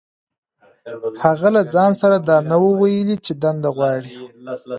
هغه له ځان سره دا نه وو ويلي چې دنده غواړي.